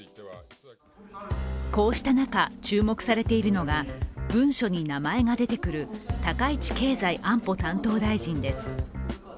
こうした中、注目されているのが文書に名前が出てくる高市経済安保担当大臣です。